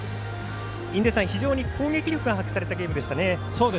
非常に攻撃力が発揮されたゲームでしたね。